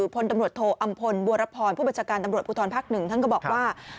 ผลตำรวจโทอำพลบัจชาการปรุษพักษ์หนึ่งเราก็บอกว่า